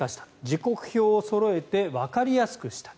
時刻表をそろえてわかりやすくした。